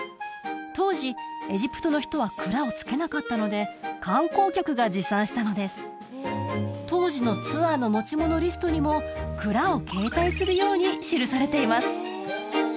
当時エジプトの人は鞍をつけなかったので観光客が持参したのです当時のツアーの持ち物リストにも鞍を携帯するように記されています